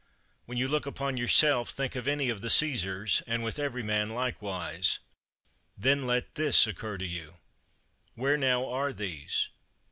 When you look upon yourself think of any of the Caesars, and with every man likewise. Then let this occur to you: Where, now, are these?